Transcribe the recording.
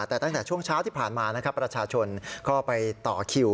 แต่ตั้งแต่ช่วงเช้าที่ผ่านมานะครับประชาชนก็ไปต่อคิว